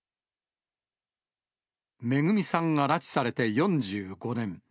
めぐみさんが拉致されて４５年。